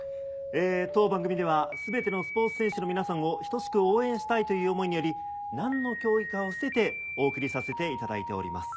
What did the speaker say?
え当番組では全てのスポーツ選手の皆さんを等しく応援したいという思いにより何の競技かを伏せてお送りさせていただいております。